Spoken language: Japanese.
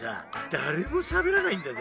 だれもしゃべらないんだぜ。